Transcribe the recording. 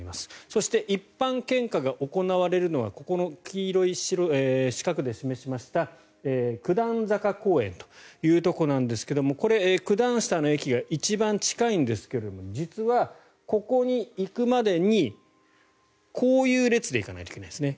そして、一般献花が行われるのはここの黄色い四角で示しました九段坂公園というところですがこれ九段下の駅が一番近いんですが実はここに行くまでにこういう列で行かないといけないですね。